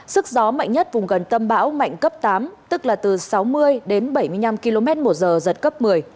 sức gió mạnh nhất vùng gần tâm bão mạnh cấp tám tức là từ sáu mươi đến bảy mươi năm km một giờ giật cấp một mươi